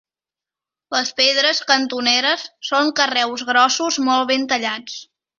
Les pedres cantoneres són carreus grossos molt ben tallats.